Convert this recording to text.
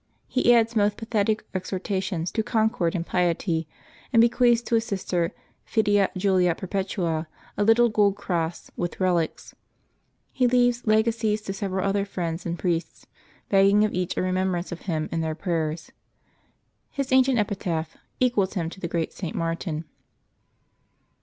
He adds most pathetic exhortations to concord and piety; and bequeaths to his sister, Fidia Julia Perpetua, a little gold cross, with relics ; he leaves legacies to several other friends and priests, begging of each a remembrance of him in their prayers. His ancient epitaph equals him to the great St. Martin.